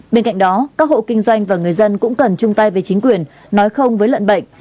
bên cạnh đó các hộ kinh doanh và người dân cũng cần chung tay với chính quyền nói không với lợn bệnh